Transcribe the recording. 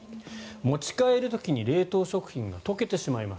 持ち帰る時に冷凍食品が解けてしまいます